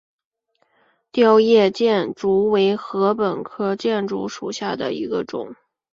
凋叶箭竹为禾本科箭竹属下的一个种。